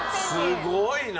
すごいな！